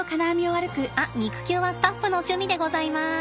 あっ肉球はスタッフの趣味でございます。